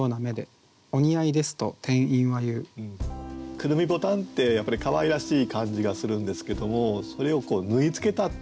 くるみボタンってやっぱりかわいらしい感じがするんですけどもそれを「縫い付けた」っていうのでね